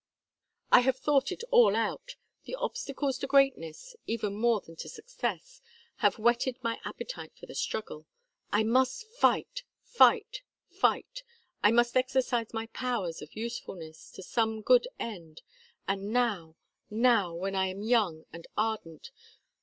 "I have thought it all out. The obstacles to greatness, even more than to success, have whetted my appetite for the struggle. I must fight! fight! fight! I must exercise my powers of usefulness to some good end, and now, now, when I am young and ardent.